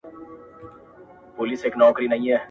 • هم جواب دی هم مي سوال دی,